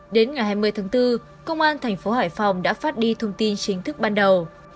đến ngày hai mươi tháng bốn công an thành phố hải phòng đã phát đi thông tin chính thức ban đầu